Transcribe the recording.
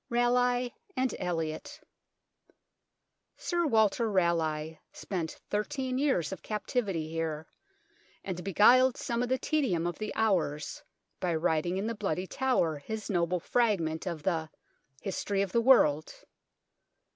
RALEIGH AND ELIOT Sir Walter Raleigh spent thirteen years of captivity here, and beguiled some of the tedium of the hours by writing in the Bloody Tower his noble fragment of the " History of the World."